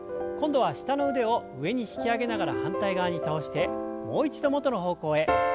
今度は下の腕を上に引き上げながら反対側に倒してもう一度元の方向へ。